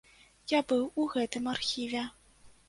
Я быў у гэтым архіве.